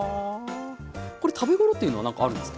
これ食べごろというのはなんかあるんですか？